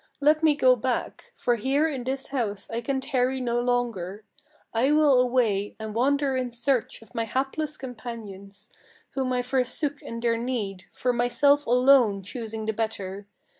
Let me go back! for here in this house I can tarry no longer. I will away, and wander in search of my hapless companions, Whom I forsook in their need; for myself alone choosing the better.